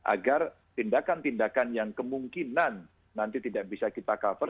agar tindakan tindakan yang kemungkinan nanti tidak bisa kita cover